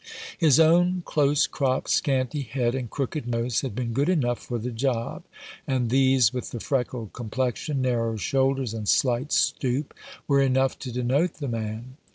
His own close cropped scanty head and crooked nose had been good enough for the job, and these, with the freckled complexion, narrow shoulders, and slight stoop, were enough to denote the man.